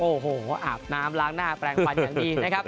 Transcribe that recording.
โอ้โหอาบน้ำล้างหน้าแปลงฟันอย่างดีนะครับ